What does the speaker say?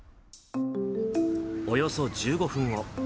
およそ１５分後。